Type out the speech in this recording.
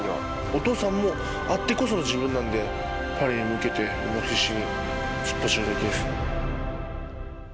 お父さんもあってこその自分なんで、パリに向けて、必死に突っ走るだけです。